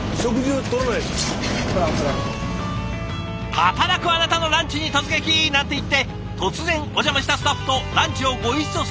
働くあなたのランチに突撃！なんて言って突然お邪魔したスタッフとランチをご一緒させてもらう「さし飯」。